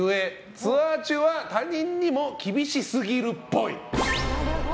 ツアー中は他人にも厳しすぎるっぽい。